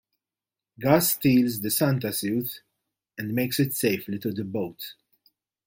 Gus steals the Santa suit and makes it safely to the boat.